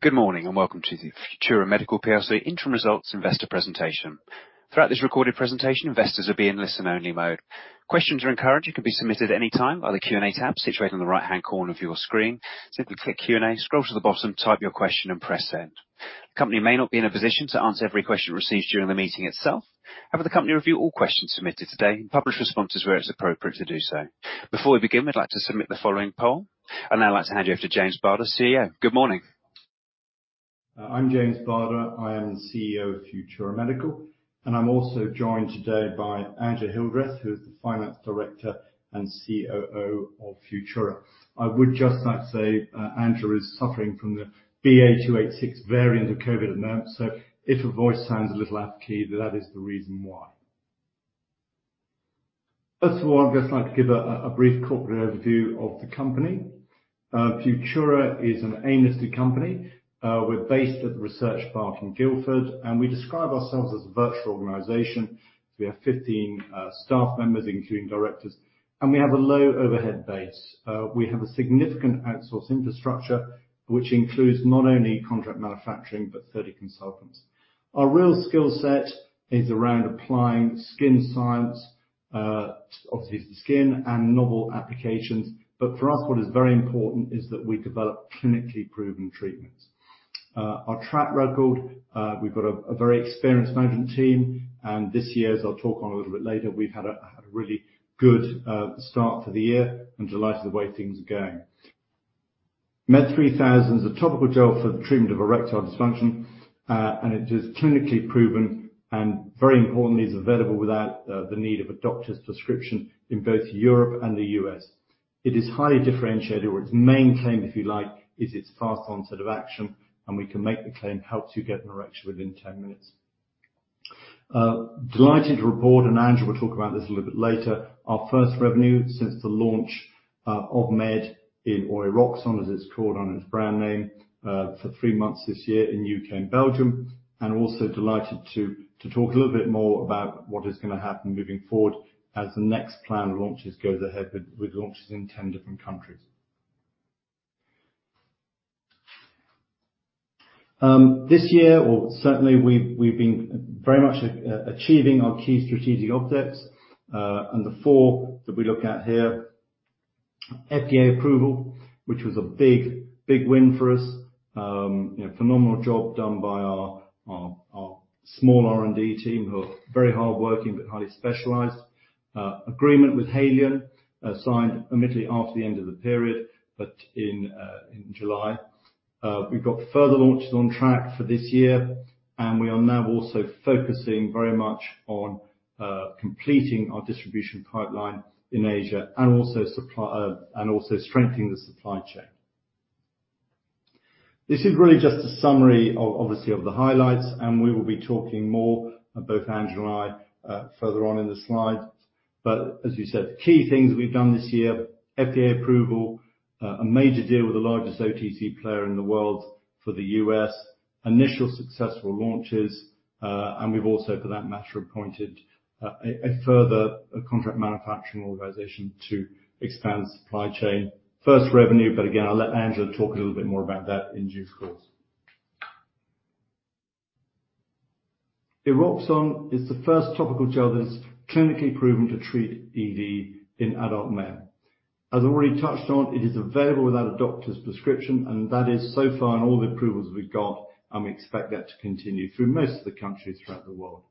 Good morning, and welcome to the Futura Medical plc Interim Results Investor Presentation. Throughout this recorded presentation, investors will be in listen-only mode. Questions are encouraged and can be submitted at any time by the Q&A tab situated on the right-hand corner of your screen. Simply click Q&A, scroll to the bottom, type your question, and press Send. The company may not be in a position to answer every question received during the meeting itself, however, the company will review all questions submitted today and publish responses where it's appropriate to do so. Before we begin, we'd like to submit the following poll. I'd now like to hand you over to James Barder, CEO. Good morning. I'm James Barder. I am the CEO of Futura Medical, and I'm also joined today by Angela Hildreth, who is the Finance Director and COO of Futura. I would just like to say, Angela is suffering from the BA.2.86 variant of COVID at the moment, so if her voice sounds a little off-key, that is the reason why. First of all, I'd just like to give a brief corporate overview of the company. Futura is an AIM-listed company. We're based at the Research Park in Guildford, and we describe ourselves as a virtual organization. We have 15 staff members, including directors, and we have a low overhead base. We have a significant outsource infrastructure, which includes not only contract manufacturing, but 30 consultants. Our real skill set is around applying skin science, obviously, to skin and novel applications. But for us, what is very important is that we develop clinically proven treatments. Our track record, we've got a very experienced management team, and this year, as I'll talk on a little bit later, we've had a really good start to the year and delighted with the way things are going. MED3000 is a topical gel for the treatment of erectile dysfunction, and it is clinically proven and, very importantly, is available without the need of a doctor's prescription in both Europe and the U.S. It is highly differentiated, or its main claim, if you like, is its fast onset of action, and we can make the claim, "Helps you get an erection within 10 minutes." Delighted to report, and Angela will talk about this a little bit later, our first revenue since the launch of MED, or Eroxon, as it's called on its brand name, for 3 months this year in U.K. and Belgium. Also delighted to talk a little bit more about what is going to happen moving forward as the next planned launches go ahead with launches in 10 different countries. This year, or certainly, we've been very much achieving our key strategic objectives, and the 4 that we look at here. FDA approval, which was a big, big win for us. You know, phenomenal job done by our, our, our small R&D team, who are very hardworking but highly specialized. Agreement with Haleon, signed admittedly after the end of the period, but in July. We've got further launches on track for this year, and we are now also focusing very much on completing our distribution pipeline in Asia and also supply, and also strengthening the supply chain. This is really just a summary of, obviously, of the highlights, and we will be talking more, both Andrew and I, further on in the slide. But as we said, the key things we've done this year, FDA approval, a major deal with the largest OTC player in the world for the U.S., initial successful launches, and we've also, for that matter, appointed a further contract manufacturing organization to expand the supply chain. First revenue, but again, I'll let Andrew talk a little bit more about that in due course. Eroxon is the first topical gel that's clinically proven to treat ED in adult men. As I already touched on, it is available without a doctor's prescription, and that is so far in all the approvals we've got, and we expect that to continue through most of the countries throughout the world.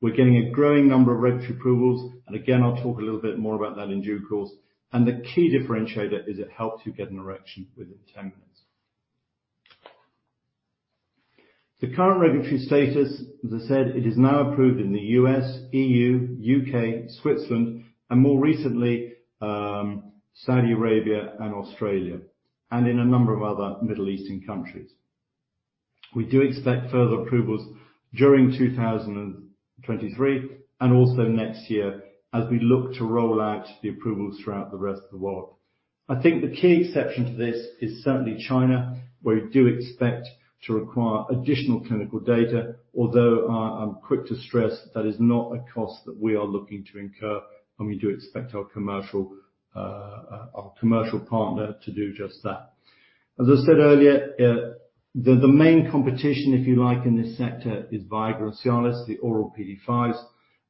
We're getting a growing number of regulatory approvals, and again, I'll talk a little bit more about that in due course. The key differentiator is it helps you get an erection within 10 minutes. The current regulatory status, as I said, it is now approved in the U.S., E.U., U.K., Switzerland, and more recently, Saudi Arabia and Australia, and in a number of other Middle Eastern countries. We do expect further approvals during 2023, and also next year, as we look to roll out the approvals throughout the rest of the world. I think the key exception to this is certainly China, where we do expect to require additional clinical data, although, I'm quick to stress that is not a cost that we are looking to incur, and we do expect our commercial, our commercial partner to do just that. As I said earlier, the main competition, if you like, in this sector, is Viagra and Cialis, the oral PDE5s,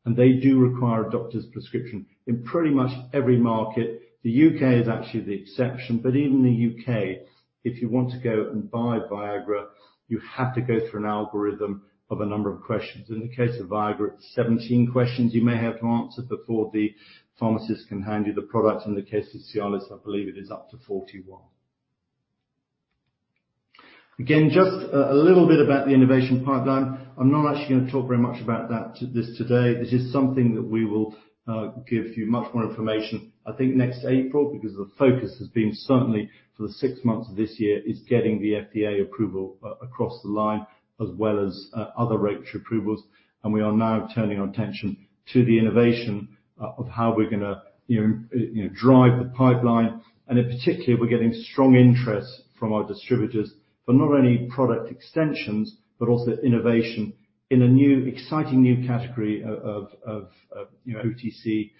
and they do require a doctor's prescription in pretty much every market. The U.K. is actually the exception, but even the U.K., if you want to go and buy Viagra, you have to go through an algorithm of a number of questions. In the case of Viagra, it's 17 questions you may have to answer before the pharmacist can hand you the product. In the case of Cialis, I believe it is up to 41. Again, just a little bit about the innovation pipeline. I'm not actually going to talk very much about that this today. This is something that we will give you much more information, I think, next April, because the focus has been, certainly for the six months of this year, is getting the FDA approval across the line, as well as other regulatory approvals. And we are now turning our attention to the innovation of how we're gonna, you know, drive the pipeline. And in particular, we're getting strong interest from our distributors for not only product extensions, but also innovation in a new, exciting new category of, you know, OTC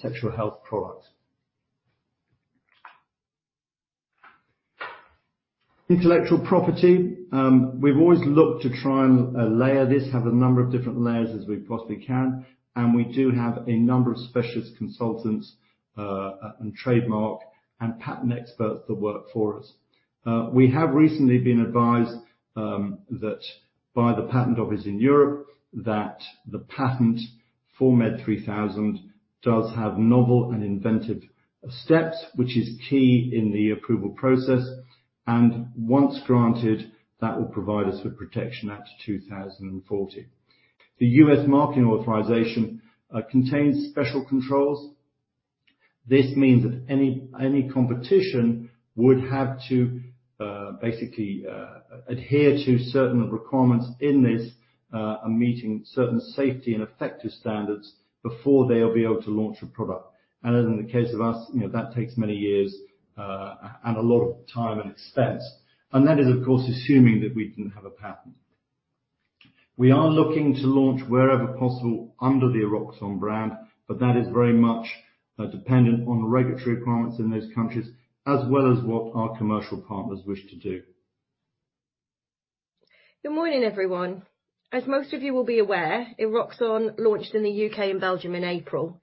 sexual health products. Intellectual property, we've always looked to try and layer this, have a number of different layers as we possibly can, and we do have a number of specialist consultants and trademark and patent experts that work for us. We have recently been advised that by the patent office in Europe, that the patent for MED3000 does have novel and inventive steps, which is key in the approval process, and once granted, that will provide us with protection out to 2040. The U.S. market authorization contains special controls. This means that any, any competition would have to basically adhere to certain requirements in this, and meeting certain safety and effective standards before they'll be able to launch a product. In the case of us, you know, that takes many years, and a lot of time and expense, and that is, of course, assuming that we didn't have a patent. We are looking to launch wherever possible under the Eroxon brand, but that is very much dependent on the regulatory requirements in those countries, as well as what our commercial partners wish to do. Good morning, everyone. As most of you will be aware, Eroxon launched in the UK and Belgium in April.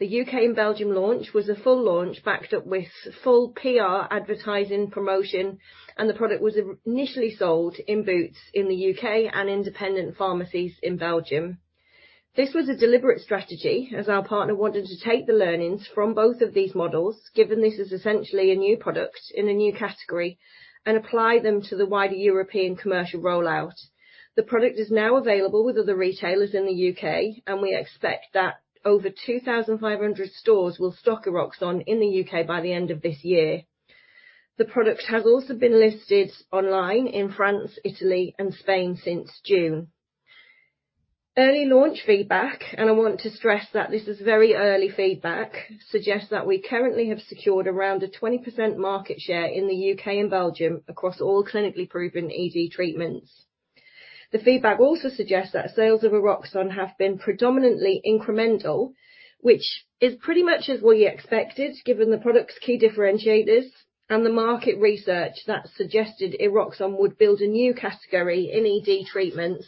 The UK and Belgium launch was a full launch, backed up with full PR, advertising, promotion, and the product was initially sold in Boots in the UK and independent pharmacies in Belgium. This was a deliberate strategy, as our partner wanted to take the learnings from both of these models, given this is essentially a new product in a new category, and apply them to the wider European commercial rollout. The product is now available with other retailers in the UK, and we expect that over 2,500 stores will stock Eroxon in the UK by the end of this year. The product has also been listed online in France, Italy, and Spain since June. Early launch feedback, and I want to stress that this is very early feedback, suggests that we currently have secured around a 20% market share in the U.K. and Belgium across all clinically proven ED treatments. The feedback also suggests that sales of Eroxon have been predominantly incremental, which is pretty much as we expected, given the product's key differentiators and the market research that suggested Eroxon would build a new category in ED treatments.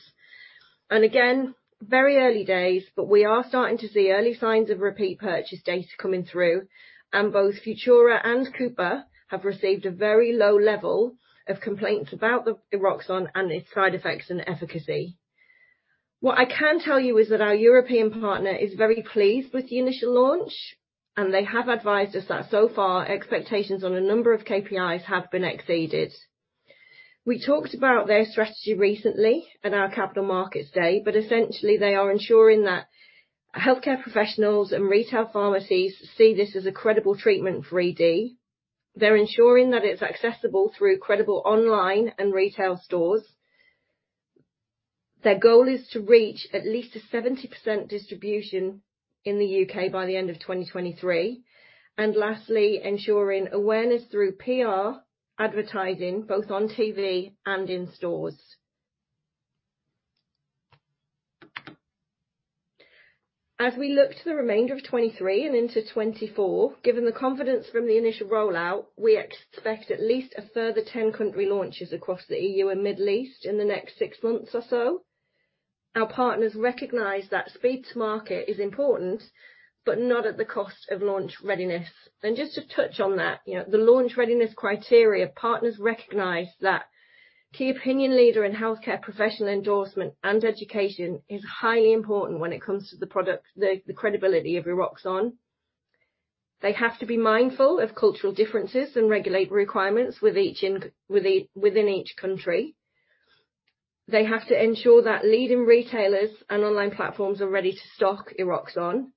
Very early days, but we are starting to see early signs of repeat purchase data coming through, and both Futura and Cooper have received a very low level of complaints about Eroxon and its side effects and efficacy. What I can tell you is that our European partner is very pleased with the initial launch, and they have advised us that so far, expectations on a number of KPIs have been exceeded. We talked about their strategy recently at our Capital Markets Day, but essentially, they are ensuring that healthcare professionals and retail pharmacies see this as a credible treatment for ED. They're ensuring that it's accessible through credible online and retail stores. Their goal is to reach at least a 70% distribution in the UK by the end of 2023. And lastly, ensuring awareness through PR, advertising, both on TV and in stores. As we look to the remainder of 2023 and into 2024, given the confidence from the initial rollout, we expect at least a further 10 country launches across the EU and Middle East in the next 6 months or so. Our partners recognize that speed to market is important, but not at the cost of launch readiness. Just to touch on that, you know, the launch readiness criteria, partners recognize that key opinion leader and healthcare professional endorsement and education is highly important when it comes to the product, the credibility of Eroxon. They have to be mindful of cultural differences and regulatory requirements within each country. They have to ensure that leading retailers and online platforms are ready to stock Eroxon,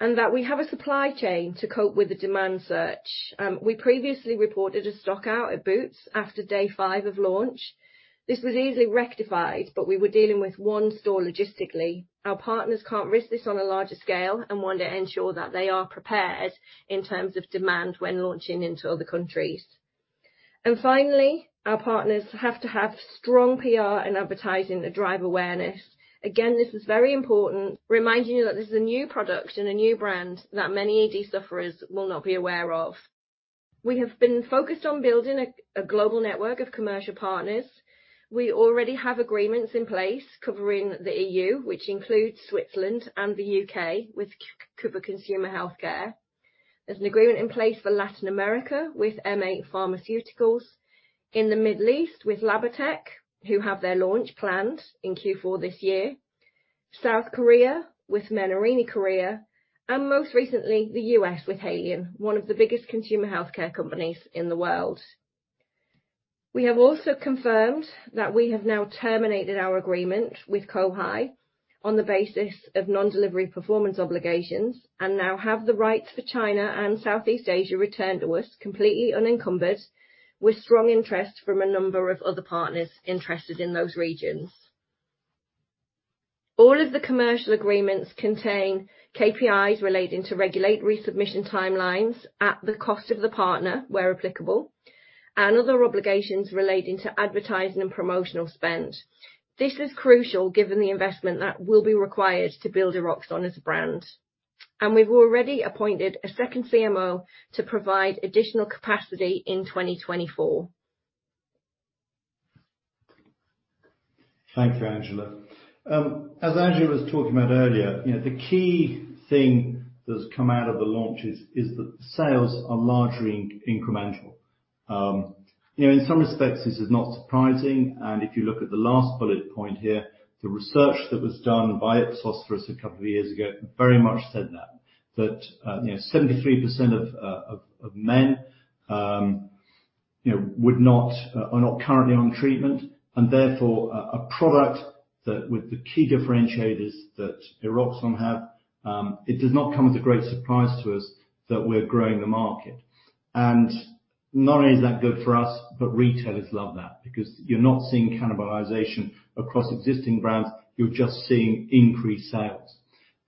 and that we have a supply chain to cope with the demand search. We previously reported a stock out at Boots after day 5 of launch. This was easily rectified, but we were dealing with one store logistically. Our partners can't risk this on a larger scale and want to ensure that they are prepared in terms of demand when launching into other countries. Finally, our partners have to have strong PR and advertising to drive awareness. Again, this is very important, reminding you that this is a new product and a new brand that many ED sufferers will not be aware of. We have been focused on building a, a global network of commercial partners. We already have agreements in place covering the EU, which includes Switzerland and the U.K., with Cooper Consumer Health. There's an agreement in place for Latin America with M8 Pharmaceuticals, in the Middle East with Labatec, who have their launch plans in Q4 this year, South Korea with Menarini Korea, and most recently, the U.S. with Haleon, one of the biggest consumer healthcare companies in the world. We have also confirmed that we have now terminated our agreement with Co-High on the basis of non-delivery performance obligations, and now have the rights for China and Southeast Asia returned to us, completely unencumbered, with strong interest from a number of other partners interested in those regions. All of the commercial agreements contain KPIs relating to regulatory submission timelines at the cost of the partner, where applicable, and other obligations relating to advertising and promotional spend. This is crucial, given the investment that will be required to build Eroxon as a brand. And we've already appointed a second CMO to provide additional capacity in 2024. Thank you, Angela. As Angela was talking about earlier, you know, the key thing that's come out of the launches is that sales are largely incremental. You know, in some respects, this is not surprising, and if you look at the last bullet point here, the research that was done by Ipsos a couple of years ago very much said that. That, you know, 73% of men, you know, are not currently on treatment, and therefore, a product that with the key differentiators that Eroxon have, it does not come as a great surprise to us that we're growing the market. And not only is that good for us, but retailers love that because you're not seeing cannibalization across existing brands, you're just seeing increased sales.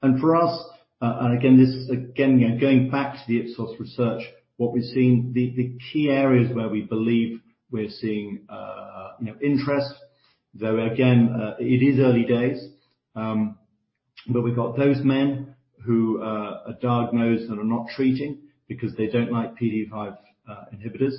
And for us, and again, this is again, we are going back to the Ipsos research, what we're seeing, the key areas where we believe we're seeing, you know, interest, though, again, it is early days. But we've got those men who are diagnosed and are not treating because they don't like PDE5 inhibitors.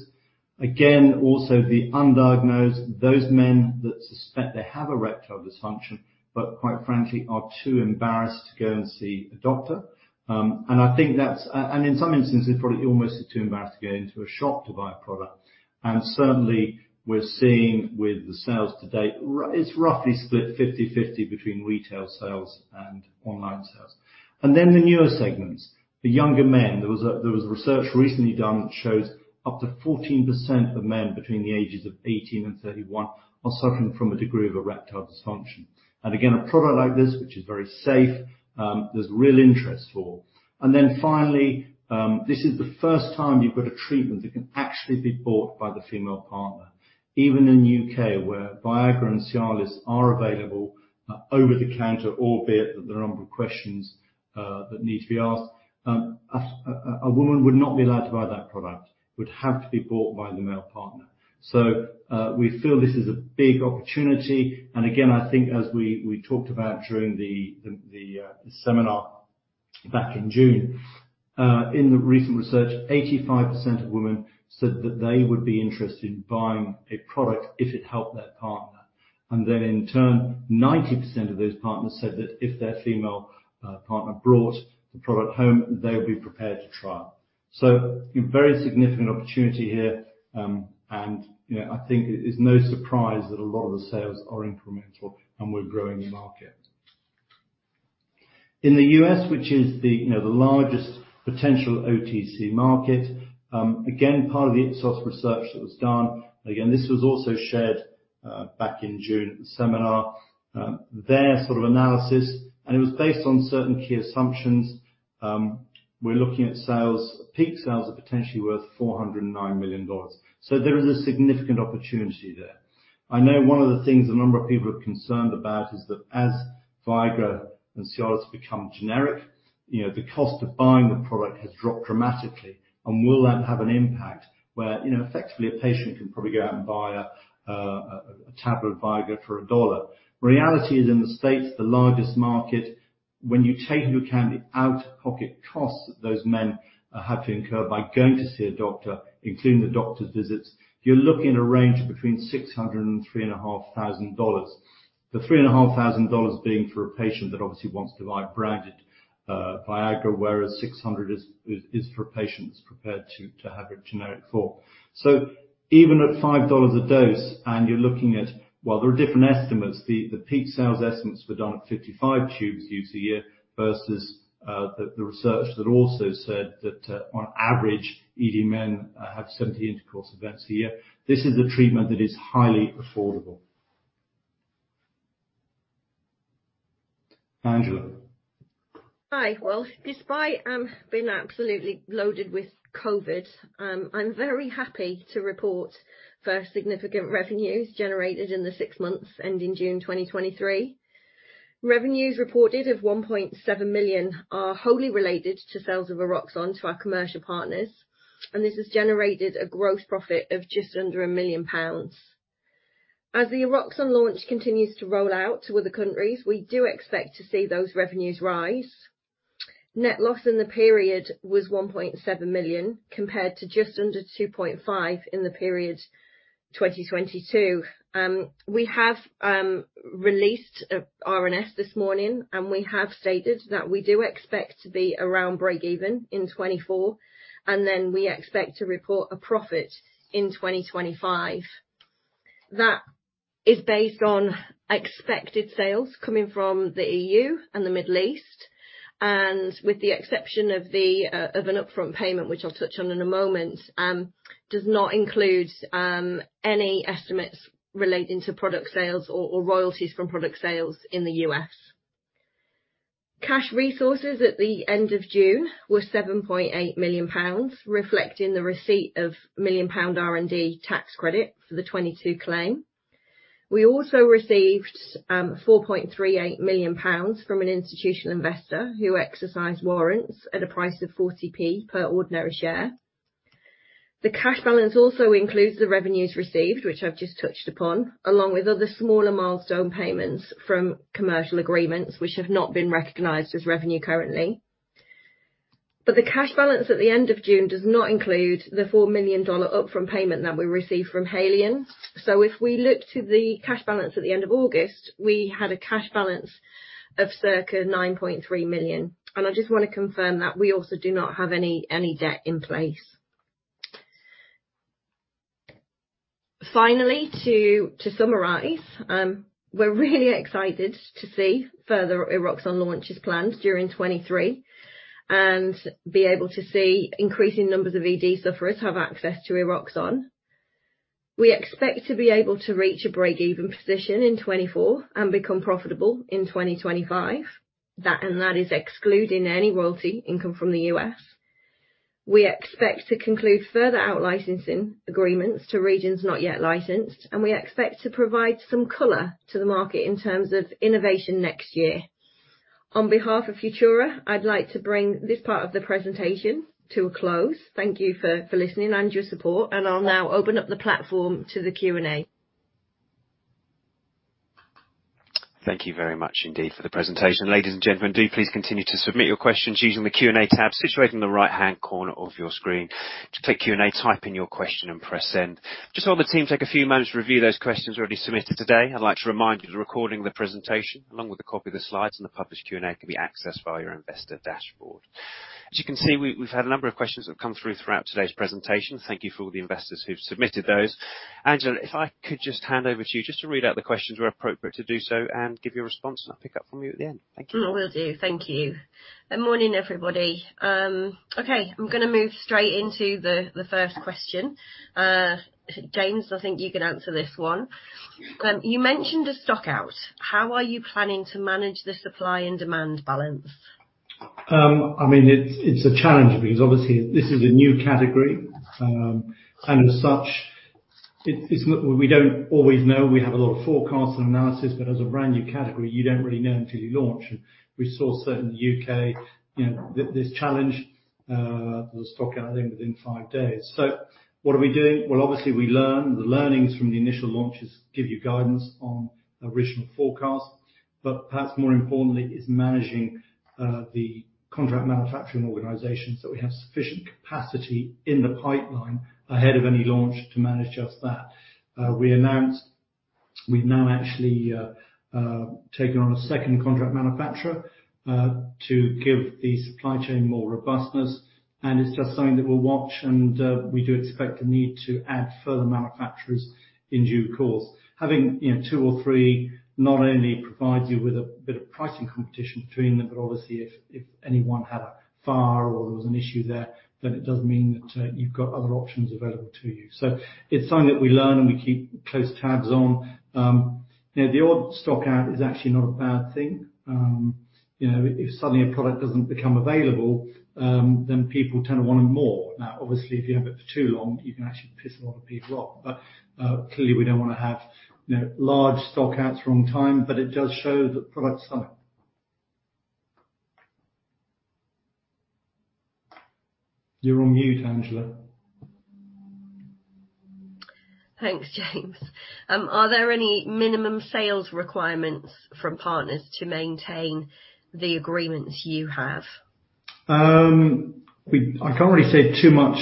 Again, also the undiagnosed, those men that suspect they have erectile dysfunction, but quite frankly, are too embarrassed to go and see a doctor. And I think that's and in some instances, probably almost too embarrassed to go into a shop to buy a product. And certainly, we're seeing with the sales to date, it's roughly split 50/50 between retail sales and online sales. And then, the newer segments, the younger men. There was a research recently done that shows up to 14% of men between the ages of 18 and 31 are suffering from a degree of erectile dysfunction. Again, a product like this, which is very safe, there's real interest for. Finally, this is the first time you've got a treatment that can actually be bought by the female partner. Even in the U.K., where Viagra and Cialis are available over the counter, albeit that there are a number of questions that need to be asked, a woman would not be allowed to buy that product. It would have to be bought by the male partner. So, we feel this is a big opportunity, and again, I think as we talked about during the seminar back in June, in the recent research, 85% of women said that they would be interested in buying a product if it helped their partner. And then, in turn, 90% of those partners said that if their female partner brought the product home, they would be prepared to try it. So a very significant opportunity here, and, you know, I think it's no surprise that a lot of the sales are incremental, and we're growing the market. In the U.S., which is, you know, the largest potential OTC market, again, part of the Ipsos research that was done, again, this was also shared, back in June at the seminar. Their sort of analysis, and it was based on certain key assumptions, we're looking at sales. Peak sales are potentially worth $409 million. So there is a significant opportunity there. I know one of the things a number of people are concerned about is that as Viagra and Cialis become generic, you know, the cost of buying the product has dropped dramatically, and will that have an impact where, you know, effectively a patient can probably go out and buy a tablet of Viagra for $1? Reality is, in the States, the largest market, when you take into account the out-of-pocket costs that those men have to incur by going to see a doctor, including the doctor's visits, you're looking at a range of between $600 and $3,500. The $3,500 being for a patient that obviously wants to buy a branded Viagra, whereas $600 is for a patient who's prepared to have a generic form. So even at $5 a dose, and you're looking at... Well, there are different estimates. The peak sales estimates were done at 55 tubes used a year versus the research that also said that on average, ED men have 70 intercourse events a year. This is a treatment that is highly affordable. Angela? Hi. Well, despite being absolutely loaded with COVID, I'm very happy to report first significant revenues generated in the six months ending June 2023. Revenues reported of 1.7 million are wholly related to sales of Eroxon to our commercial partners, and this has generated a gross profit of just under 1 million pounds. As the Eroxon launch continues to roll out to other countries, we do expect to see those revenues rise. Net loss in the period was 1.7 million, compared to just under 2.5 million in the period 2022. We have released a RNS this morning, and we have stated that we do expect to be around breakeven in 2024, and then we expect to report a profit in 2025. That is based on expected sales coming from the EU and the Middle East, and with the exception of an upfront payment, which I'll touch on in a moment, does not include any estimates relating to product sales or royalties from product sales in the US. Cash resources at the end of June were 7.8 million pounds, reflecting the receipt of 1 million pound R&D tax credit for the 2022 claim. We also received 4.38 million pounds from an institutional investor who exercised warrants at a price of 40p per ordinary share. The cash balance also includes the revenues received, which I've just touched upon, along with other smaller milestone payments from commercial agreements, which have not been recognized as revenue currently. But the cash balance at the end of June does not include the $4 million up-front payment that we received from Haleon. So if we look to the cash balance at the end of August, we had a cash balance of circa 9.3 million, and I just want to confirm that we also do not have any debt in place. F inally, to summarize, we're really excited to see further Eroxon launches plans during 2023, and be able to see increasing numbers of ED sufferers have access to Eroxon. We expect to be able to reach a breakeven position in 2024 and become profitable in 2025. That and that is excluding any royalty income from the U.S. We expect to conclude further out-licensing agreements to regions not yet licensed, and we expect to provide some color to the market in terms of innovation next year. On behalf of Futura, I'd like to bring this part of the presentation to a close. Thank you for listening and your support, and I'll now open up the platform to the Q&A. Thank you very much indeed for the presentation. Ladies and gentlemen, do please continue to submit your questions using the Q&A tab situated in the right-hand corner of your screen. To take Q&A, type in your question and press Send. Just while the team take a few moments to review those questions already submitted today, I'd like to remind you that the recording of the presentation, along with a copy of the slides and the published Q&A, can be accessed via your investor dashboard. As you can see, we, we've had a number of questions that have come through throughout today's presentation. Thank you for all the investors who've submitted those. Angela, if I could just hand over to you just to read out the questions where appropriate to do so and give your response, and I'll pick up from you at the end. Thank you. I will do. Thank you. Good morning, everybody. Okay, I'm gonna move straight into the first question. James, I think you can answer this one. You mentioned a stock-out. How are you planning to manage the supply and demand balance? I mean, it's a challenge because obviously this is a new category, and as such, it's not. We don't always know. We have a lot of forecasts and analysis, but as a brand-new category, you don't really know until you launch. We saw certain UK, you know, this challenge, the stock-out, I think, within five days. So what are we doing? Well, obviously, we learn. The learnings from the initial launches give you guidance on original forecast, but perhaps more importantly, is managing the contract manufacturing organization so that we have sufficient capacity in the pipeline ahead of any launch to manage just that. We announced we've now actually taken on a second contract manufacturer to give the supply chain more robustness, and it's just something that we'll watch, and we do expect the need to add further manufacturers in due course. Having, you know, two or three not only provides you with a bit of pricing competition between them, but obviously, if anyone had a fire or there was an issue there, then it does mean that you've got other options available to you. So it's something that we learn and we keep close tabs on. You know, the odd stock-out is actually not a bad thing. You know, if suddenly a product doesn't become available, then people tend to want it more. Now, obviously, if you have it for too long, you can actually piss a lot of people off, but, clearly, we don't wanna have, you know, large stock-outs wrong time, but it does show that products selling. You're on mute, Angela. Thanks, James. Are there any minimum sales requirements from partners to maintain the agreements you have? We-- I can't really say too much,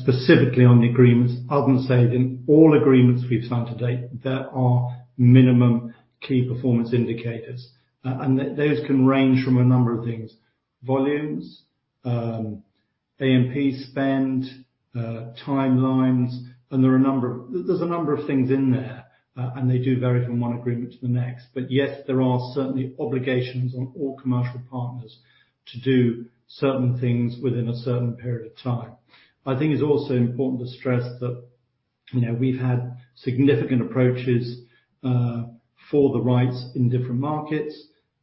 specifically on the agreements, other than saying all agreements we've signed to date, there are minimum key performance indicators. Th-those can range from a number of things: volumes, A&P spend, timelines, and there are a number of-- there's a number of things in there, and they do vary from one agreement to the next. Yes, there are certainly obligations on all commercial partners to do certain things within a certain period of time. I think it's also important to stress that, you know, we've had significant approaches for the rights in different markets,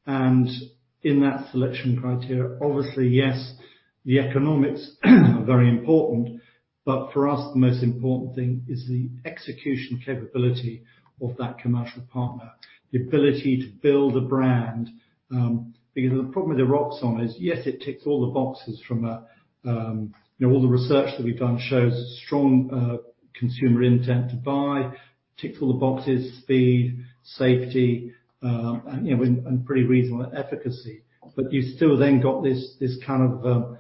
and in that selection criteria, obviously, yes, the economics are very important, but for us, the most important thing is the execution capability of that commercial partner, the ability to build a brand. Because the problem with Eroxon is, yes, it ticks all the boxes from a, you know, all the research that we've done shows strong consumer intent to buy, ticks all the boxes, speed, safety, and, you know, and pretty reasonable efficacy. But you've still then got this, this kind of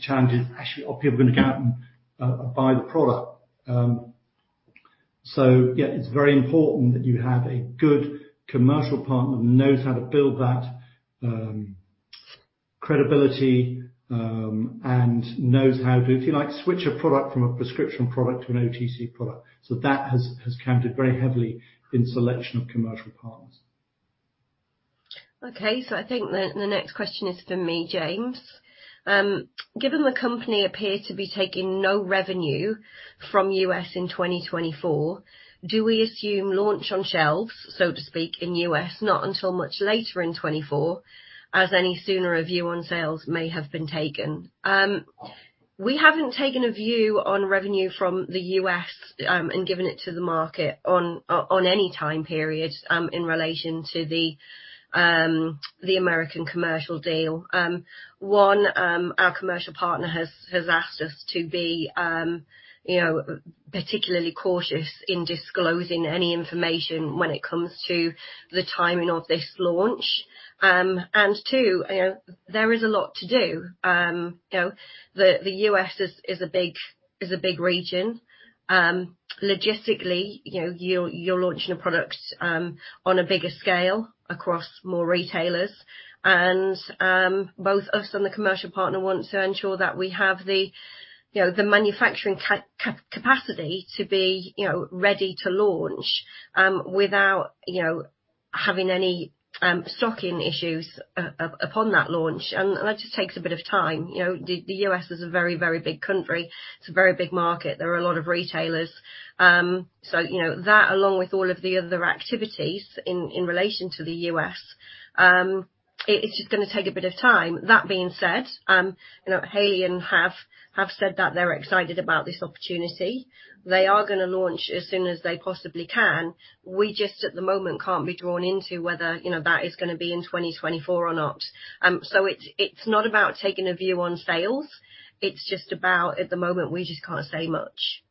challenge: actually, are people gonna go out and buy the product? So yeah, it's very important that you have a good commercial partner who knows how to build that credibility and knows how to, if you like, switch a product from a prescription product to an OTC product. So that has counted very heavily in selection of commercial partners. Okay, so I think the next question is for me, James. Given the company appears to be taking no revenue from the U.S. in 2024, do we assume launch on shelves, so to speak, in the U.S., not until much later in 2024, as any sooner a view on sales may have been taken? We haven't taken a view on revenue from the U.S., and given it to the market on any time period in relation to the American commercial deal. One, our commercial partner has asked us to be, you know, particularly cautious in disclosing any information when it comes to the timing of this launch. And two, you know, there is a lot to do. You know, the U.S. is a big region. Logistically, you know, you're launching a product on a bigger scale across more retailers, and both us and the commercial partner want to ensure that we have the, you know, the manufacturing capacity to be, you know, ready to launch without, you know, having any stocking issues upon that launch. And that just takes a bit of time. You know, the US is a very, very big country. It's a very big market. There are a lot of retailers. So you know, that, along with all of the other activities in relation to the US, it is just gonna take a bit of time. That being said, you know, Haleon have said that they're excited about this opportunity. They are gonna launch as soon as they possibly can. We just, at the moment, can't be drawn into whether, you know, that is gonna be in 2024 or not. So it's, it's not about taking a view on sales. It's just about at the moment, we just can't say much.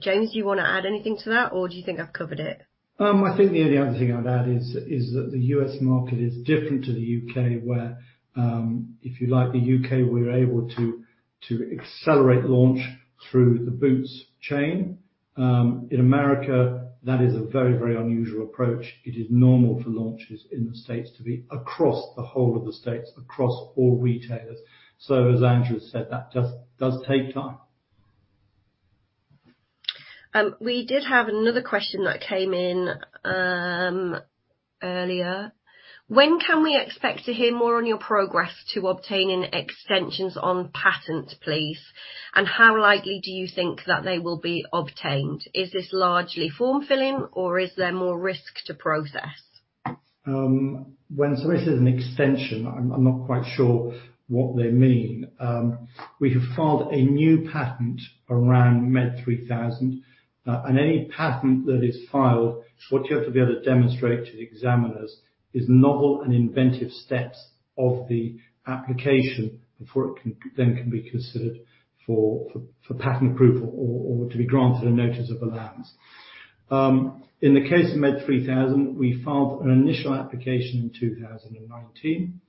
James, do you wanna add anything to that, or do you think I've covered it? I think the only other thing I'd add is, is that the U.S. market is different to the U.K., where, if you like, the U.K., we're able to to accelerate launch through the Boots chain. In America, that is a very, very unusual approach. It is normal for launches in the States to be across the whole of the States, across all retailers. So as Angela said, that does take time. We did have another question that came in earlier. When can we expect to hear more on your progress to obtaining extensions on patents, please? And how likely do you think that they will be obtained? Is this largely form-filling, or is there more risk to process? When somebody says an extension, I'm not quite sure what they mean. We have filed a new patent around MED3000, and any patent that is filed, what you have to be able to demonstrate to the examiners is novel and inventive steps of the application before it can then be considered for patent approval or to be granted a notice of allowance. In the case of MED3000, we filed an initial application in 2019.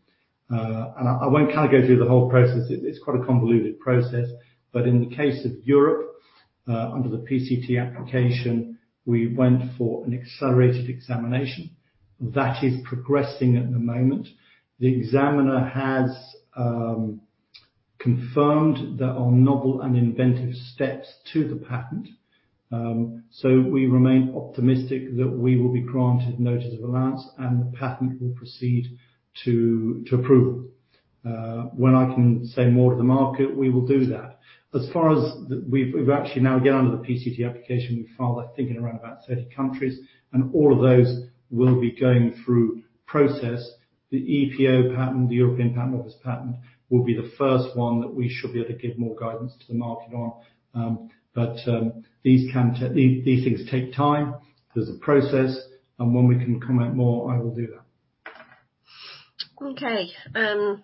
I won't kind of go through the whole process. It's quite a convoluted process, but in the case of Europe, under the PCT application, we went for an accelerated examination. That is progressing at the moment. The examiner has confirmed there are novel and inventive steps to the patent. So we remain optimistic that we will be granted notice of allowance, and the patent will proceed to approval. When I can say more to the market, we will do that. As far as the—we've actually now, again, under the PCT application, we've filed, I think, in around about 30 countries, and all of those will be going through process. The EPO patent, the European Patent Office patent, will be the first one that we should be able to give more guidance to the market on. But these things take time. There's a process, and when we can comment more, I will do that. Okay,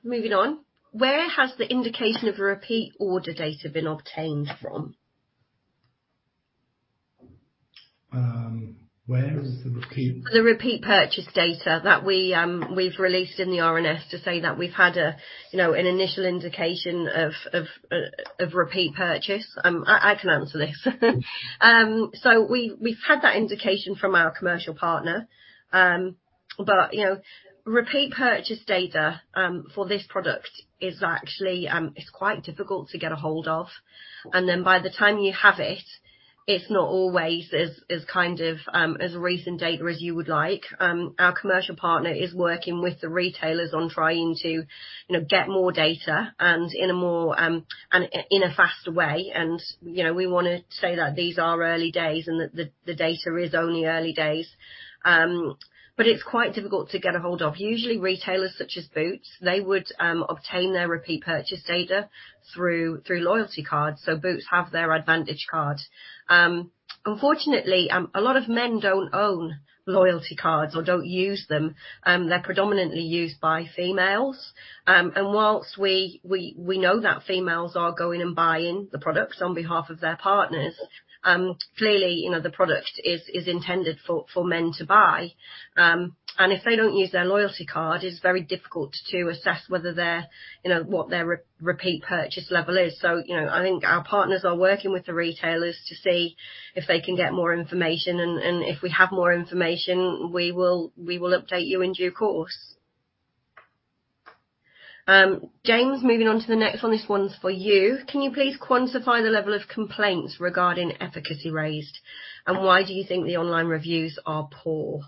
moving on. Where has the indication of a repeat order data been obtained from? Where is the repeat? The repeat purchase data that we've released in the RNS to say that we've had a, you know, an initial indication of repeat purchase. I can answer this. So we've had that indication from our commercial partner. But, you know, repeat purchase data for this product is actually, it's quite difficult to get a hold of, and then by the time you have it, it's not always as kind of as recent data as you would like. Our commercial partner is working with the retailers on trying to, you know, get more data and in a more and in a faster way, and, you know, we wanna say that these are early days and that the data is only early days. But it's quite difficult to get a hold of. Usually, retailers such as Boots, they would obtain their repeat purchase data through loyalty cards, so Boots have their Advantage card. Unfortunately, a lot of men don't own loyalty cards or don't use them. They're predominantly used by females. And while we know that females are going and buying the products on behalf of their partners, clearly, you know, the product is intended for men to buy. And if they don't use their loyalty card, it's very difficult to assess whether their, you know, what their repeat purchase level is. So, you know, I think our partners are working with the retailers to see if they can get more information, and if we have more information, we will update you in due course. James, moving on to the next one, this one's for you. Can you please quantify the level of complaints regarding efficacy raised, and why do you think the online reviews are poor?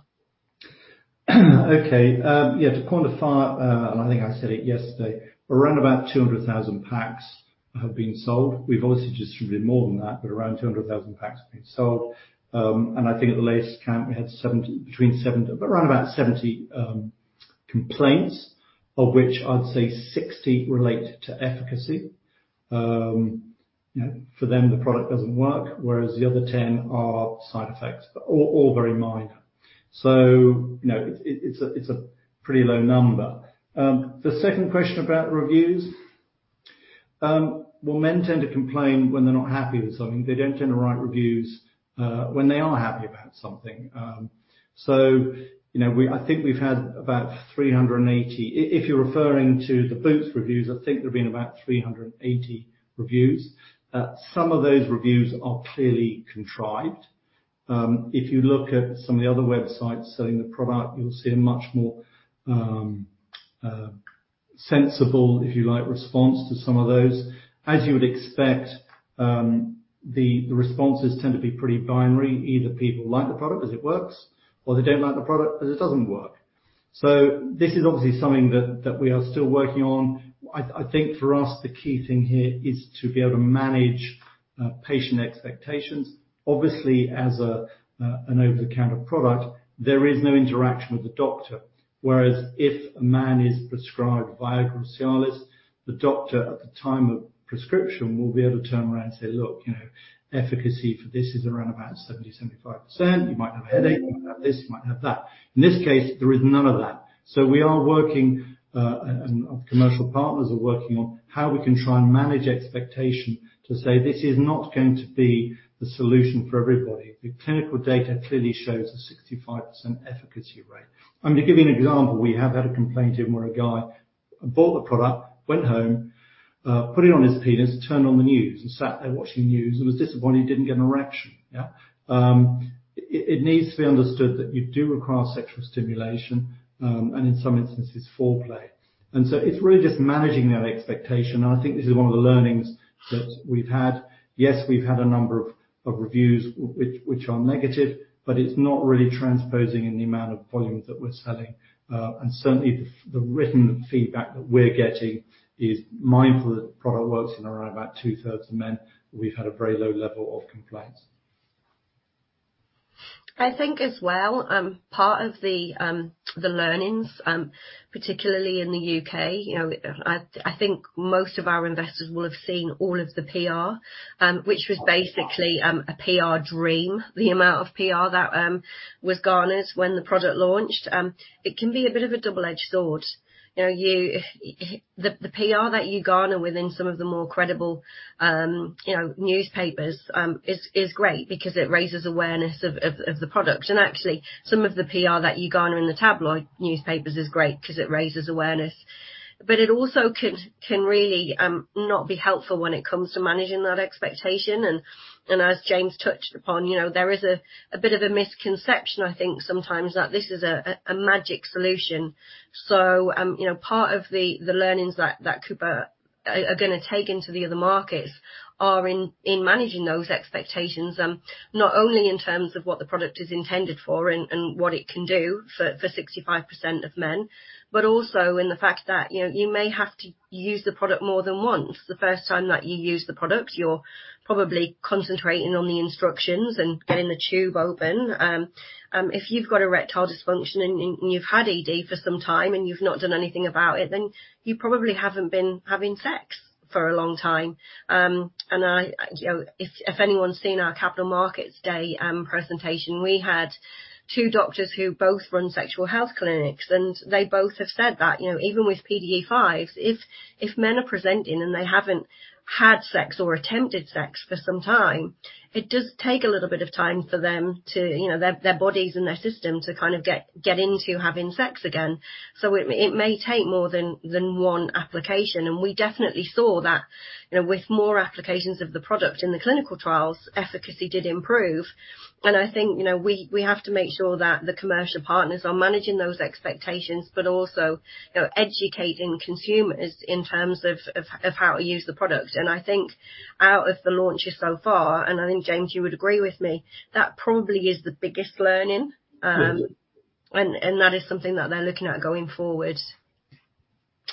Okay, yeah, to quantify, and I think I said it yesterday, around about 200,000 packs have been sold. We've obviously distributed more than that, but around 200,000 packs have been sold. And I think at the latest count, we had between 70, but around about 70 complaints, of which I'd say 60 relate to efficacy. You know, for them, the product doesn't work, whereas the other 10 are side effects, but all, all very minor. So you know, it's, it's a, it's a pretty low number. The second question about the reviews. Well, men tend to complain when they're not happy with something. They don't tend to write reviews, when they are happy about something. So, you know, we I think we've had about 380. If you're referring to the Boots reviews, I think there have been about 380 reviews. Some of those reviews are clearly contrived. If you look at some of the other websites selling the product, you'll see a much more sensible, if you like, response to some of those. As you would expect, the responses tend to be pretty binary. Either people like the product 'cause it works, or they don't like the product 'cause it doesn't work. So this is obviously something that we are still working on. I think for us, the key thing here is to be able to manage patient expectations. Obviously, as a, an over-the-counter product, there is no interaction with the doctor, whereas if a man is prescribed Viagra or Cialis, the doctor at the time of prescription will be able to turn around and say, "Look, you know, efficacy for this is around about 70%-75%. You might have a headache, you might have this, you might have that." In this case, there is none of that. So we are working, and our commercial partners are working on how we can try and manage expectation to say, "This is not going to be the solution for everybody." The clinical data clearly shows a 65% efficacy rate. To give you an example, we have had a complaint in where a guy bought the product, went home, put it on his penis, turned on the news, and sat there watching the news and was disappointed he didn't get an erection. Yeah, it needs to be understood that you do require sexual stimulation, and in some instances, foreplay. So it's really just managing that expectation, and I think this is one of the learnings that we've had. Yes, we've had a number of reviews which are negative, but it's not really transposing in the amount of volume that we're selling. And certainly, the written feedback that we're getting is mindful that the product works in around about two-thirds of men; we've had a very low level of complaints. I think as well, part of the, the learnings, particularly in the UK, you know, I, I think most of our investors will have seen all of the PR, which was basically, a PR dream, the amount of PR that, was garnered when the product launched. It can be a bit of a double-edged sword. You know, you, the, the PR that you garner within some of the more credible, you know, newspapers, is, is great because it raises awareness of, of, of the product. And actually, some of the PR that you garner in the tabloid newspapers is great 'cause it raises awareness, but it also could-- can really, not be helpful when it comes to managing that expectation. As James touched upon, you know, there is a bit of a misconception, I think, sometimes, that this is a magic solution. You know, part of the learnings that Cooper are gonna take into the other markets are in managing those expectations, not only in terms of what the product is intended for and what it can do for 65% of men, but also in the fact that, you know, you may have to use the product more than once. The first time that you use the product, you're probably concentrating on the instructions and getting the tube open. If you've got erectile dysfunction and you've had ED for some time, and you've not done anything about it, then you probably haven't been having sex for a long time. And I, you know, if anyone's seen our Capital Markets Day presentation, we had two doctors who both run sexual health clinics, and they both have said that, you know, even with PDE5s, if men are presenting and they haven't had sex or attempted sex for some time, it does take a little bit of time for them to, you know, their bodies and their system to kind of get into having sex again. So it may take more than one application, and we definitely saw that, you know, with more applications of the product in the clinical trials, efficacy did improve. And I think, you know, we have to make sure that the commercial partners are managing those expectations, but also, you know, educating consumers in terms of how to use the product. And I think out of the launches so far, and I think, James, you would agree with me, that probably is the biggest learning. That is something that they're looking at going forward.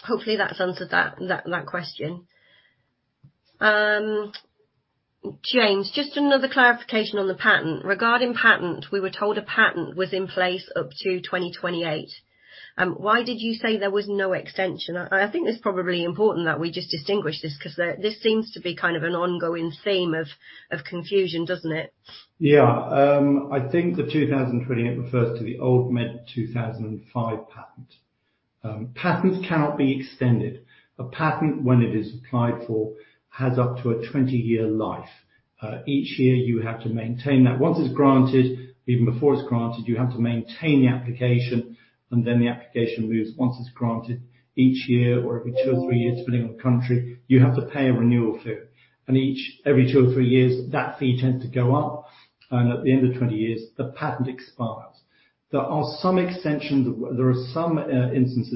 Hopefully, that's answered that question. James, just another clarification on the patent. Regarding patent, we were told a patent was in place up to 2028. Why did you say there was no extension? I think it's probably important that we just distinguish this, 'cause this seems to be kind of an ongoing theme of confusion, doesn't it? Yeah, I think the 2028 refers to the old MED2005 patent. Patents cannot be extended. A patent, when it is applied for, has up to a 20-year life. Each year, you have to maintain that. Once it's granted, even before it's granted, you have to maintain the application, and then the application moves. Once it's granted, each year or every two or three years, depending on the country, you have to pay a renewal fee. And each, every two or three years, that fee tends to go up, and at the end of 20 years, the patent expires. There are some instances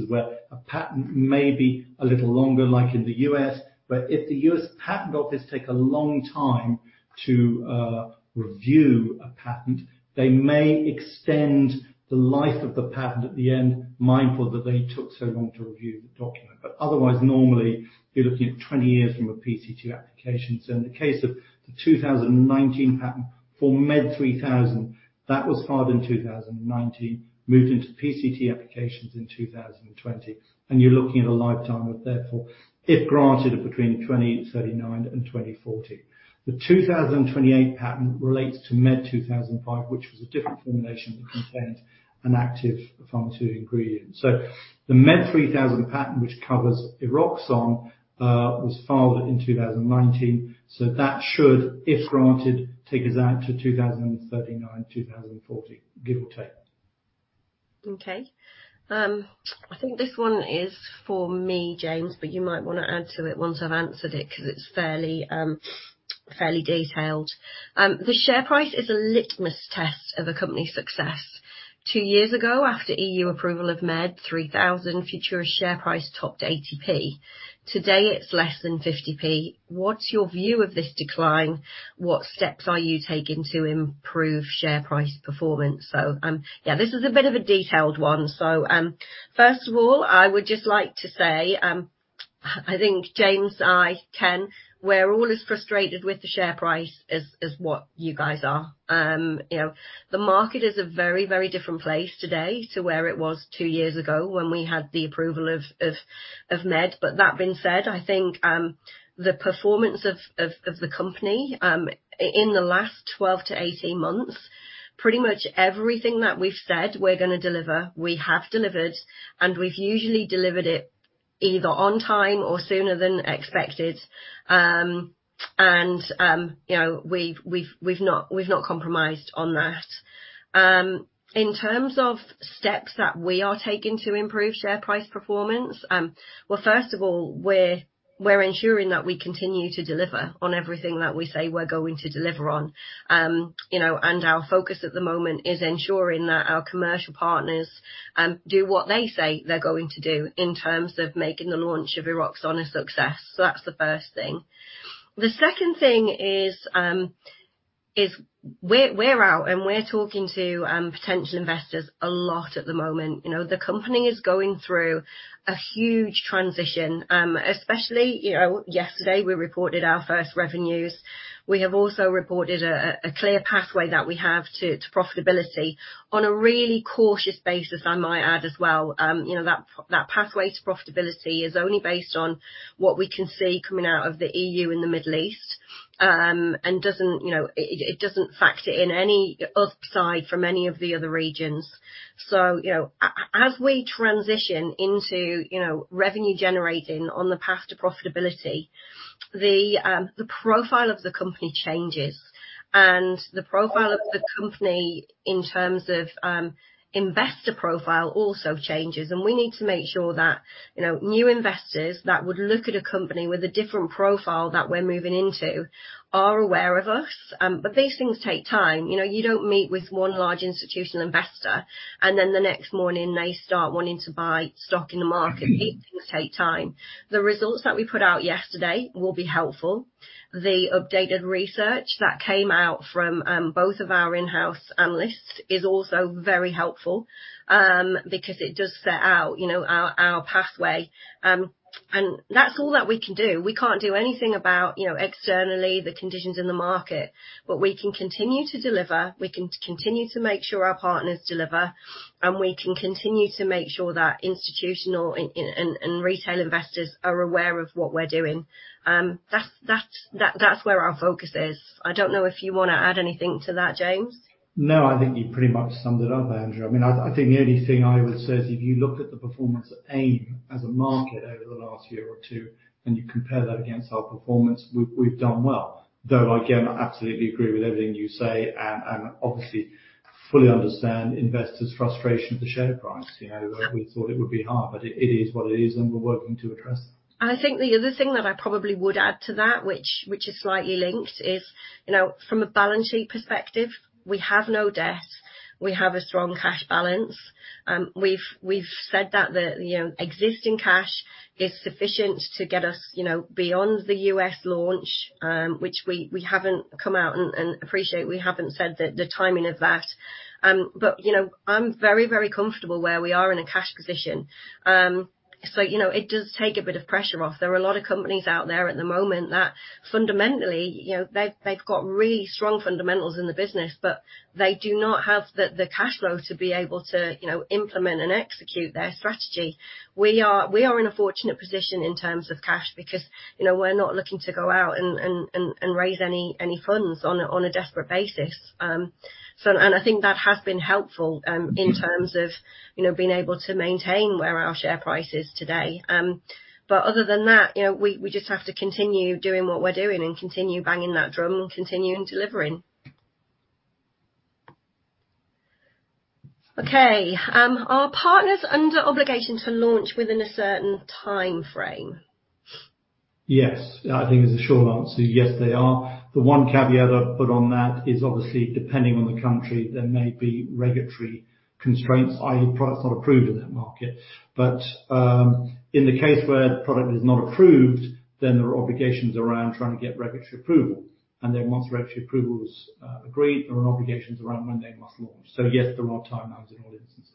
where a patent may be a little longer, like in the U.S., where if the U.S. Patent Office take a long time to review a patent, they may extend the life of the patent at the end, mindful that they took so long to review the document. But otherwise, normally, you're looking at 20 years from a PCT application. So in the case of the 2019 patent for MED3000, that was filed in 2019, moved into PCT applications in 2020, and you're looking at a lifetime of therefore, if granted, between 2039 and 2040. The 2028 patent relates to MED2005, which was a different formulation that contained an active pharmaceutical ingredient. So the MED3000 patent, which covers Eroxon, was filed in 2019. So that should, if granted, take us out to 2039, 2040, give or take. Okay. I think this one is for me, James, but you might wanna answer it once I've answered it, 'cause it's fairly, fairly detailed. The share price is a litmus test of a company's success. Two years ago, after EU approval of MED3000, Futura's share price topped 80p. Today, it's less than 50p. What's your view of this decline? What steps are you taking to improve share price performance? So, yeah, this is a bit of a detailed one. So, first of all, I would just like to say, I think James, Ken, we're all as frustrated with the share price as what you guys are. You know, the market is a very, very different place today to where it was two years ago when we had the approval of MED. But that being said, I think the performance of the company in the last 12-18 months, pretty much everything that we've said we're gonna deliver, we have delivered, and we've usually delivered it either on time or sooner than expected. And you know, we've not compromised on that. In terms of steps that we are taking to improve share price performance, well, first of all, we're ensuring that we continue to deliver on everything that we say we're going to deliver on. You know, and our focus at the moment is ensuring that our commercial partners do what they say they're going to do in terms of making the launch of Eroxon a success. So that's the first thing. The second thing is, is we're out, and we're talking to potential investors a lot at the moment. You know, the company is going through a huge transition, especially, you know, yesterday, we reported our first revenues. We have also reported a clear pathway that we have to profitability on a really cautious basis, I might add as well. You know, that pathway to profitability is only based on what we can see coming out of the EU and the Middle East, and doesn't, you know, it doesn't factor in any upside from any of the other regions. So, you know, as we transition into, you know, revenue generating on the path to profitability, the profile of the company changes, and the profile of the company, in terms of investor profile, also changes. We need to make sure that, you know, new investors that would look at a company with a different profile that we're moving into are aware of us. But these things take time. You know, you don't meet with one large institutional investor, and then the next morning, they start wanting to buy stock in the market. These things take time. The results that we put out yesterday will be helpful. The updated research that came out from both of our in-house analysts is also very helpful, because it does set out, you know, our, our pathway. You know, that's all that we can do. We can't do anything about, you know, externally, the conditions in the market, but we can continue to deliver, we can continue to make sure our partners deliver, and we can continue to make sure that institutional and, and, and retail investors are aware of what we're doing. You know, that's, that's, that, that's where our focus is. I don't know if you wanna add anything to that, James? No, I think you pretty much summed it up, Angela. I mean, I think the only thing I would say is if you look at the performance of AIM as a market over the last year or two, and you compare that against our performance, we've done well. Though, again, I absolutely agree with everything you say and obviously fully understand investors' frustration with the share price. You know, we thought it would be hard, but it is what it is, and we're working to address it. I think the other thing that I probably would add to that, which is slightly linked, is, you know, from a balance sheet perspective, we have no debt. We have a strong cash balance. We've said that the, you know, existing cash is sufficient to get us, you know, beyond the U.S. launch, which we haven't come out and, and appreciate, we haven't said the timing of that. You know, I'm very, very comfortable where we are in a cash position. You know, it does take a bit of pressure off. There are a lot of companies out there at the moment that fundamentally, you know, they've got really strong fundamentals in the business, but they do not have the cash flow to be able to, you know, implement and execute their strategy. We are in a fortunate position in terms of cash because, you know, we're not looking to go out and raise any funds on a desperate basis. So and I think that has been helpful. in terms of, you know, being able to maintain where our share price is today. But other than that, you know, we, we just have to continue doing what we're doing and continue banging that drum and continuing delivering. Okay, are partners under obligation to launch within a certain timeframe? Yes. I think it's a short answer, yes, they are. The one caveat I'd put on that is obviously, depending on the country, there may be regulatory constraints, i.e., product's not approved in that market. But, in the case where the product is not approved, then there are obligations around trying to get regulatory approval. And then once regulatory approval is agreed, there are obligations around when they must launch. So yes, there are timelines in all instances.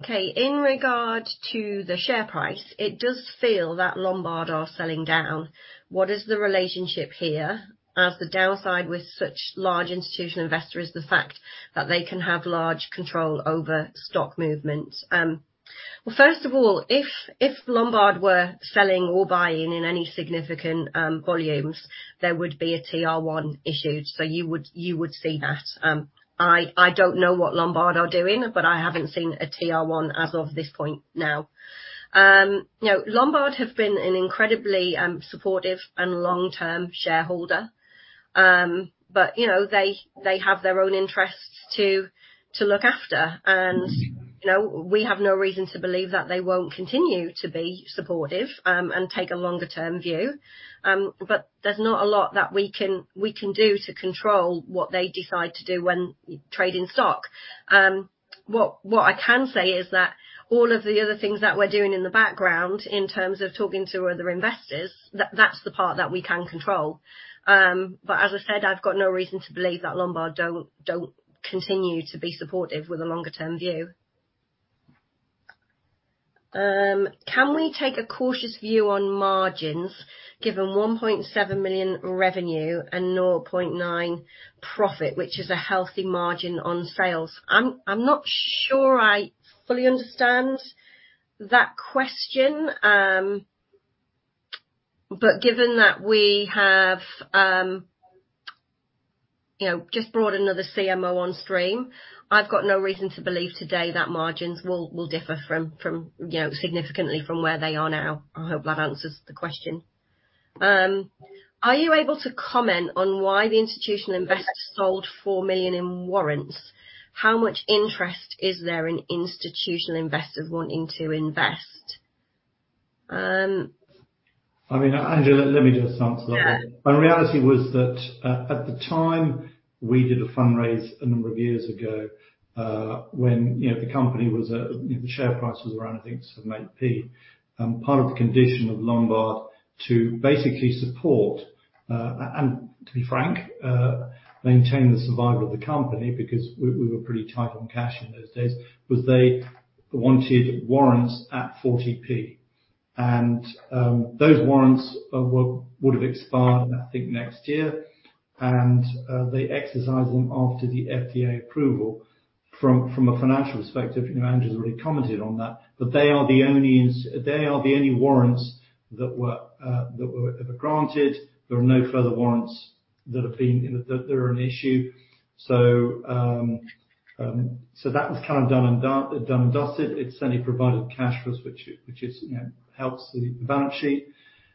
Okay, in regard to the share price, it does feel that Lombard are selling down. What is the relationship here, as the downside with such large institutional investors is the fact that they can have large control over stock movements? Well, first of all, if Lombard were selling or buying in any significant volumes, there would be a TR-1 issued, so you would see that. I don't know what Lombard are doing, but I haven't seen a TR-1 as of this point now. You know, Lombard have been an incredibly supportive and long-term shareholder. You know, they have their own interests to look after, and you know, we have no reason to believe that they won't continue to be supportive and take a longer-term view. But there's not a lot that we can, we can do to control what they decide to do when trading stock. What I can say is that all of the other things that we're doing in the background in terms of talking to other investors, that's the part that we can control. But as I said, I've got no reason to believe that Lombard don't continue to be supportive with a longer-term view. Can we take a cautious view on margins, given 1.7 million revenue and 0.9 million profit, which is a healthy margin on sales? I'm not sure I fully understand that question. Given that we have, you know, just brought another CMO on stream, I've got no reason to believe today that margins will, will differ from, you know, significantly from where they are now. I hope that answers the question. Are you able to comment on why the institutional investors sold 4 million in warrants? How much interest is there in institutional investors wanting to invest? I mean, Angela, let me just answer that. Yeah. The reality was that, at the time, we did a fundraise a number of years ago, when, you know, the company was, the share price was around, I think, 7, 8p. Part of the condition of Lombard to basically support, and to be frank, maintain the survival of the company, because we were pretty tight on cash in those days, was they wanted warrants at 40p. Those warrants would have expired, I think, next year, and they exercised them after the FDA approval. From a financial perspective, you know, Angela's already commented on that, but they are the only warrants that were, that were ever granted. There are no further warrants that have been... That are an issue. So that was kind of done and dusted. It's only provided cash flows, which is, you know, helps the balance sheet.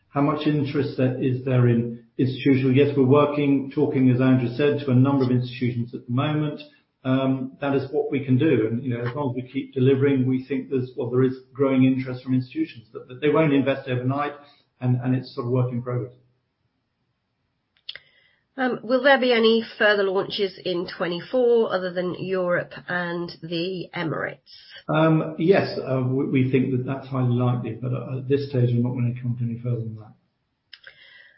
How much interest is there in institutional? Yes, we're working, talking, as Angela said, to a number of institutions at the moment. That is what we can do, and, you know, as long as we keep delivering, we think there's, well, there is growing interest from institutions, but they won't invest overnight, and it's a work in progress. Will there be any further launches in 2024 other than Europe and the Emirates? Yes, we think that that's highly likely, but at this stage, we're not going to comment any further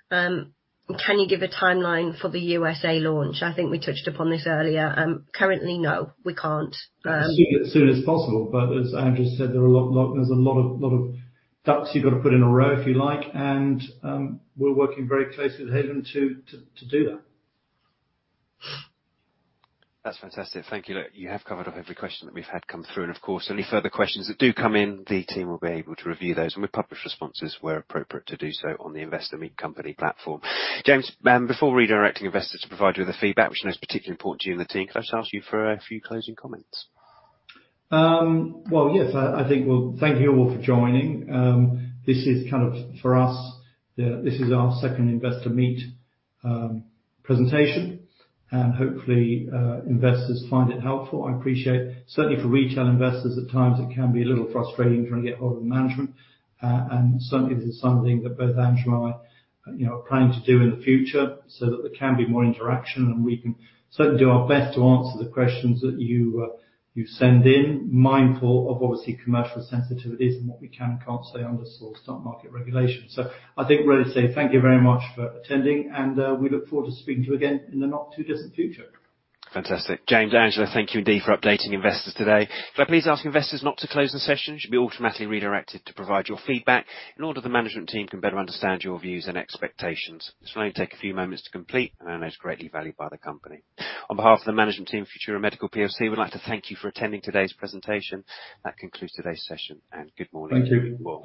than that. Can you give a timeline for the USA launch? I think we touched upon this earlier. Currently, no, we can't. As soon as possible. But as Angela said, there are a lot of ducks you got to put in a row, if you like, and we're working very closely with Haleon to do that. That's fantastic. Thank you. You have covered up every question that we've had come through, and of course, any further questions that do come in, the team will be able to review those, and we'll publish responses, where appropriate, to do so on the Investor Meet company platform. James, before redirecting investors to provide you with the feedback, which is particularly important to you and the team, can I just ask you for a few closing comments? Well, yes, I think... Well, thank you all for joining. This is kind of, for us, this is our second investor meet presentation, and hopefully, investors find it helpful. I appreciate, certainly for retail investors, at times, it can be a little frustrating trying to get a hold of management. Certainly, this is something that both Angela and I, you know, are planning to do in the future so that there can be more interaction, and we can certainly do our best to answer the questions that you, you send in, mindful of obviously commercial sensitivities and what we can and can't say under stock market regulations. I think we're ready to say thank you very much for attending, and we look forward to speaking to you again in the not-too-distant future. Fantastic. James, Angela, thank you indeed for updating investors today. Can I please ask investors not to close the session? You should be automatically redirected to provide your feedback in order the management team can better understand your views and expectations. This will only take a few moments to complete, and I know it's greatly valued by the company. On behalf of the management team, Futura Medical PLC, we'd like to thank you for attending today's presentation. That concludes today's session, and good morning. Thank you.